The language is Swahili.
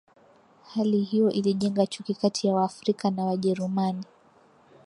Hali hiyo ilijenga chuki kati ya Waafrika na Wajerumani